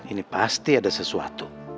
ini pasti ada sesuatu